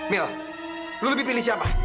mil lo lebih pilih siapa